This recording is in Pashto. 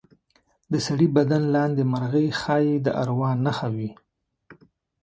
د سړي بدن لاندې مرغۍ ښایي د اروا نښه وي.